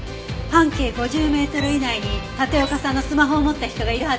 半径５０メートル以内に立岡さんのスマホを持った人がいるはずよ。